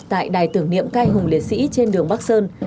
tại đài tưởng niệm cai hùng liệt sĩ trên đường bắc sơn